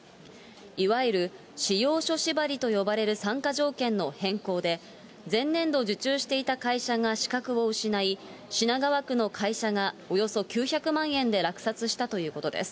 いわゆる仕様書縛りと呼ばれる参加条件の変更で、前年度受注していた会社が資格を失い、品川区の会社がおよそ９００万円で落札したということです。